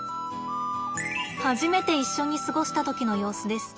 初めて一緒に過ごした時の様子です。